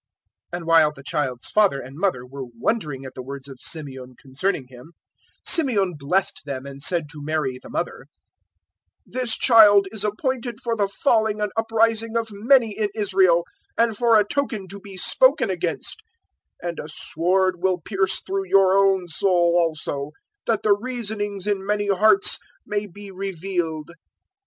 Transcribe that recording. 002:033 And while the child's father and mother were wondering at the words of Symeon concerning Him, 002:034 Symeon blessed them and said to Mary the mother, "This child is appointed for the falling and the uprising of many in Israel and for a token to be spoken against; 002:035 and a sword will pierce through your own soul also; that the reasonings in many hearts may be revealed."